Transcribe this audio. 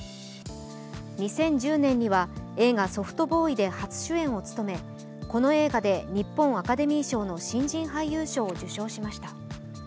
２０１０年には映画「ソフトボーイ」で初主演を務め、この映画で日本アカデミー賞の新人俳優賞を受賞しました。